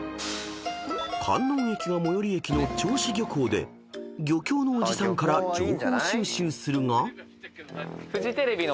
［観音駅が最寄駅の銚子漁港で漁協のおじさんから情報収集するが］